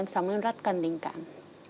em sống em rất cần tình cảm